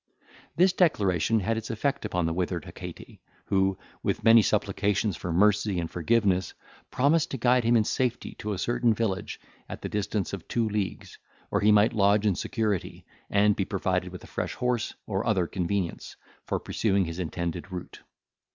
This declaration had its effect upon the withered Hecate, who, with many supplications for mercy and forgiveness, promised to guide him in safety to a certain village at the distance of two leagues, where he might lodge in security, and be provided with a fresh horse, or other convenience, for pursuing his intended route.